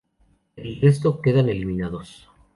El resto quedan eliminados.